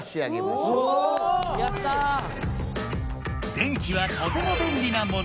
電気はとてもべんりなもの。